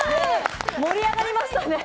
盛り上がりましたね。